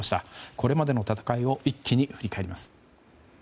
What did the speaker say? これまでの戦いを一気に振り返ります。